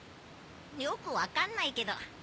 よくわかんないけど。